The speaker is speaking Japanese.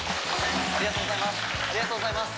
ありがとうございます。